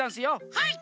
はい！